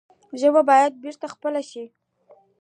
ژبه باید بېرته خپل شي.